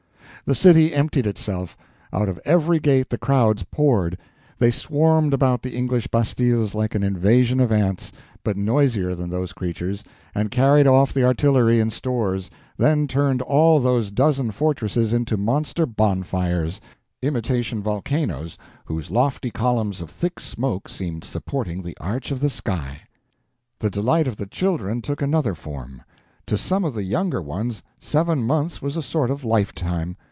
The city emptied itself. Out of every gate the crowds poured. They swarmed about the English bastilles like an invasion of ants, but noisier than those creatures, and carried off the artillery and stores, then turned all those dozen fortresses into monster bonfires, imitation volcanoes whose lofty columns of thick smoke seemed supporting the arch of the sky. The delight of the children took another form. To some of the younger ones seven months was a sort of lifetime.